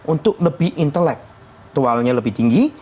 untuk lebih intelektualnya lebih tinggi